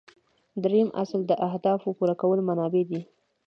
دریم اصل د اهدافو پوره کولو منابع دي.